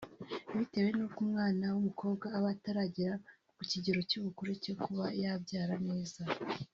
bitewe n’uko umwana w’umukobwa aba ataragera ku kigero cy’ubukure cyo kuba yabyara neza